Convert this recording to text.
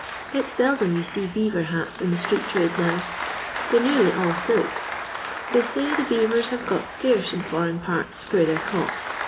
It 's seldom yon see beaver hats in the street trade now, they 're nearly all silk. They say the beavers have got scarce in foreign parts where the}' 're caught.